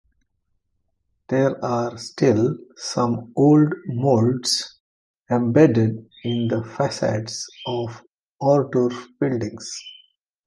There are still some old molds embedded in the facades of Ohrdruf buildings.